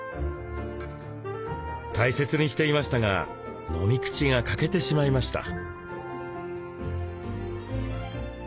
大切にしていましたが飲み口が欠けてしまいました。